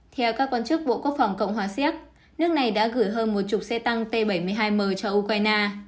theo các quan chức bộ quốc phòng cộng hòa xéc nước này đã gửi hơn một chục xe tăng t bảy mươi hai m cho ukraine